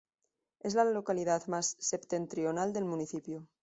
Es la localidad más septentrional del municipio.